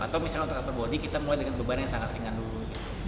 atau misalnya untuk upper body kita mulai dengan beban yang sangat ringan dulu